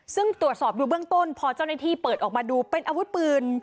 ซึ่งตรวจสอบดูเบื้องต้นพอเจ้าหน้าที่เปิดออกมาดูเป็นอาวุธปืน